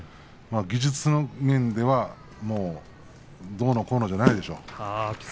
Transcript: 技術面ではどうのこうのじゃないでしょう。